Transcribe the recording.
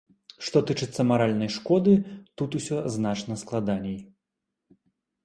Што тычыцца маральнай шкоды, тут ўсё значна складаней.